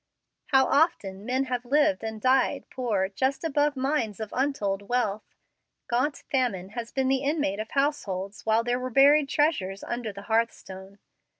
How often men have lived and died poor just above mines of untold wealth! Gaunt famine has been the inmate of households while there were buried treasures under the hearthstone.